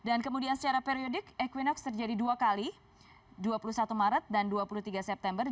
dan kemudian secara periodik equinox terjadi dua kali dua puluh satu maret dan dua puluh tiga september